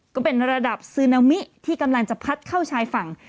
ก็เป็นระดับซึนามิที่กำลังจะพัดเข้าชายฝั่ง